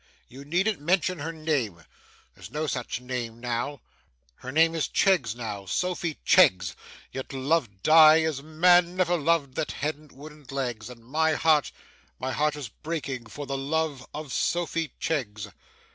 You needn't mention her name. There's no such name now. Her name is Cheggs now, Sophy Cheggs. Yet loved I as man never loved that hadn't wooden legs, and my heart, my heart is breaking for the love of Sophy Cheggs.